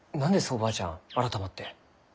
おばあちゃん改まって。